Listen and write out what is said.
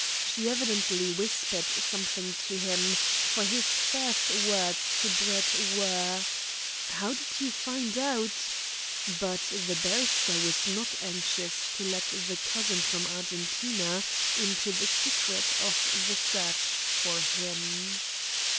She evidently whispered something to him, for his first words to Brett were: "How did you find out " But the barrister was not anxious to let the cousin from Argentina into the secret of the search for him.